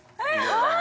あっ！